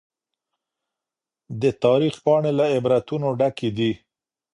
د تاريخ پاڼي له عبرتونو ډکي دي.